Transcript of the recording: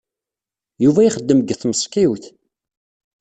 Yuba ixeddem deg tmeṣkiwt.